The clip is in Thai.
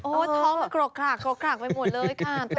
โอ้ท้องกรกรากไปหมดเลยค่ะ